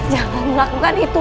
jangan melakukan itu